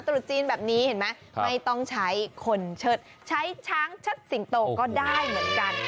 ตรุษจีนแบบนี้เห็นไหมไม่ต้องใช้คนเชิดใช้ช้างเชิดสิงโตก็ได้เหมือนกัน